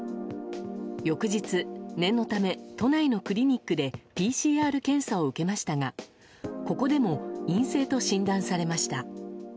翌日、念のため都内のクリニックでＰＣＲ検査を受けましたがここでも陰性と診断されました。